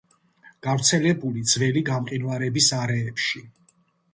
გავრცელებული ძველი გამყინვარების არეებში.